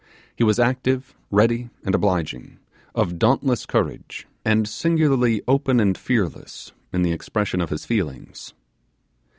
He was active, ready and obliging, of dauntless courage, and singularly open and fearless in the expression of his feelings.